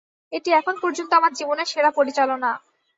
এটি এখন পর্যন্ত আমার জীবনের সেরা পরিচালনা।